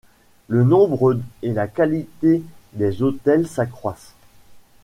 Le nombre et la qualité des hôtels s'accroissent.